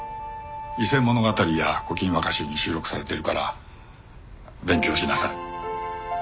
『伊勢物語』や『古今和歌集』に収録されているから勉強しなさい。